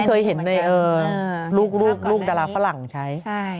เคยเห็นในลูกดาราฝรั่งใช้